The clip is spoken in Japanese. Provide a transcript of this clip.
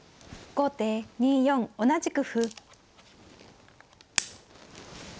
先手２四同じく角。